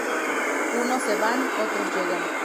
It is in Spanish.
Unos se van, otros llegan.